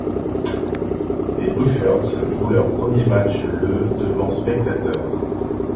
Les Blueshirts jouent leur premier match le devant spectateurs.